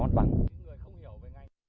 mọi người không hiểu về ngay